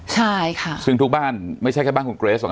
ใช่ค่ะซึ่งทุกบ้านไม่ใช่แค่บ้านคุณเกรสหรอก